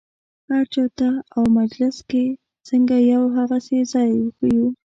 هر چا ته او مجلس کې څنګه یو هغسې ځان وښیو.